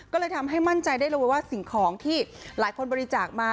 ก็เลยทำให้มั่นใจได้เลยว่าสิ่งของที่หลายคนบริจาคมา